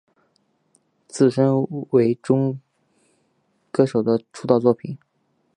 自身为歌手的出道作品。